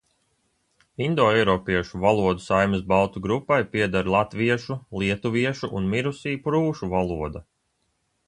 Indoeiropiešu valodu saimes baltu grupai pieder latviešu, lietuviešu un mirusī prūšu valoda.